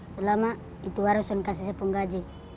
selama itu warung saya dikasih penggaji